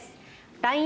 ＬＩＮＥ